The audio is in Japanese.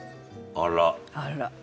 あら。